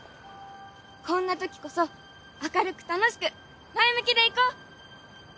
こんなときこそ明るく楽しく前向きでいこう！